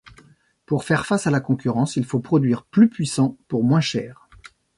Pour faire face à la concurrence, il faut produire plus puissant, pour moins cher.